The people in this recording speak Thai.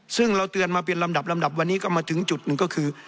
ซึ่งเราเตือนมาเป็นลำดับลำดับวันนี้ก็มาถึงจุดหนึ่งก็คือ